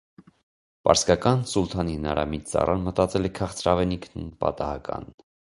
Պարսկական սուլթանի հնարամիտ ծառան մտածել է քաղցրավենիքն պատահական։